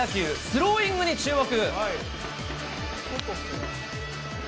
スローイングに注目。